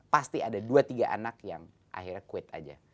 pasti ada dua tiga anak yang akhirnya quite aja